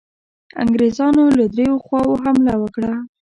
انګرېزانو له دریو خواوو حمله وکړه.